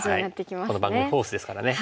この番組フォースですからね。